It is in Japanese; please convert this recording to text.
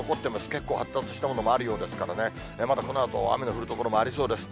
結構発達したものもあるようですからね、まだこのあと、雨の降る所もありそうです。